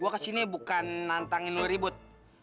gue kesini bukan nantangin lo ribut